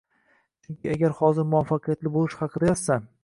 Chunki agar hozir muvaffaqiyatli bo’lish haqida yozsam